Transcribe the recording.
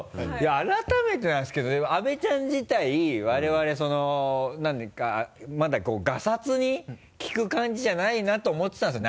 改めてなんですけど阿部ちゃん自体我々何かまだこうガサツに聞く感じじゃないなと思ってたんですよ。